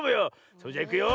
それじゃいくよ。